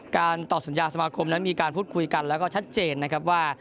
การตอบสัญญาสมาคมนั้นมีการพูดคุยกันแล้วก็ชัดเจนนะครับว่า